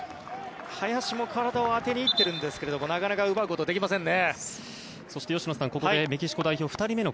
林も体を当てに行っているんですがなかなか奪うことができませんね。